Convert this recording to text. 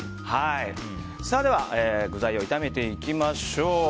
では、具材を炒めていきましょう。